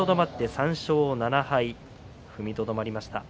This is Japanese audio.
３勝７敗踏みとどまりました。